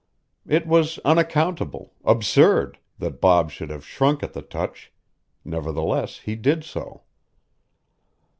It was unaccountable, absurd, that Bob should have shrunk at the touch; nevertheless he did so.